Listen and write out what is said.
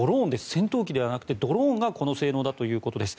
戦闘機ではなくてドローンがこの性能だということです。